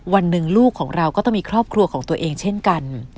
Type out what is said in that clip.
วันหนึ่งลูกของเราก็ต้องมีครอบครัวของตัวเองเช่นกัน